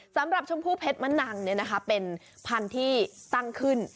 สำหรับชมพูเพชรมะนังเนี่ยนะคะเป็นพันธุ์ที่ตั้งขึ้น